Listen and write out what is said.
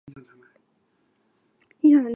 元末与兄廖永安在巢湖结寨自保。